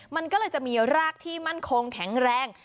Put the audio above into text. มันก็เลยจะมีรากที่มั่นคงแข็งแรง